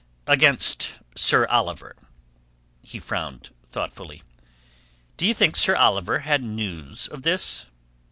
against Sir Oliver." He frowned thoughtfully. "D'ye think Sir Oliver had news of this?"